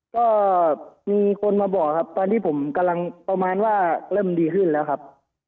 ก็มีคนมาบอกครับตอนนี้ผมกำลังประมาณว่าเริ่มดีขึ้นแล้วครับ